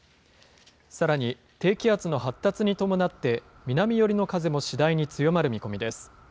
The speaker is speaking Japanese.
さらに低気圧の発達に伴って、南寄りの風も次第に強まる見込みです。